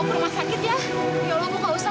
cuma sakit ya ya allah bu gak usah